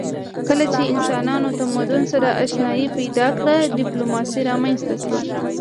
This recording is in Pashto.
کله چې انسانانو تمدن سره آشنايي پیدا کړه ډیپلوماسي رامنځته شوه